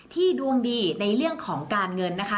ดวงดีในเรื่องของการเงินนะคะ